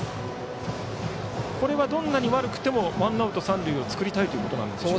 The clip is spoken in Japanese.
これはどんなに悪くてもワンアウト三塁を作りたいということですか。